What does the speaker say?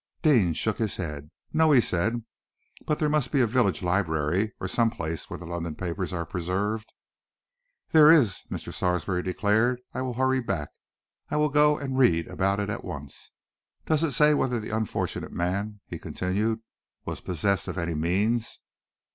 Deane shook his head. "No!" he said. "But there must be a village library, or some place where the London papers are preserved." "There is," Mr. Sarsby declared. "I will hurry back. I will go and read about it at once. Does it say whether the unfortunate man," he continued, "was possessed of any means?"